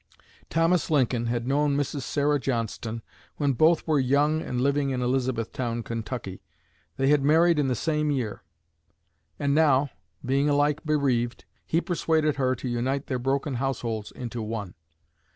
Thomas Lincoln had known Mrs. Sarah Johnston when both were young and living in Elizabethtown, Kentucky. They had married in the same year; and now, being alike bereaved, he persuaded her to unite their broken households into one.